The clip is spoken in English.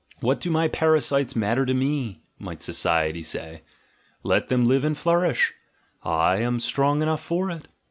— "What do my para sites matter to me?" might society say. "Let them live and flourish! I am strong enough for it."